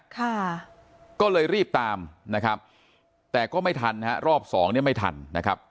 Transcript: ค่ะก็เลยรีบตามนะครับแต่ก็ไม่ทันฮะรอบสองเนี่ยไม่ทันนะครับ